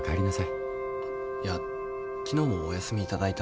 いや昨日もお休み頂いたので。